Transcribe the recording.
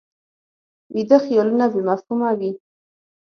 ویده خیالونه بې مفهومه وي